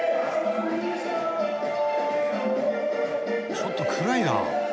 ちょっと暗いな。